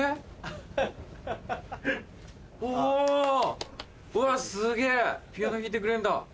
うわすげぇピアノ弾いてくれんだ。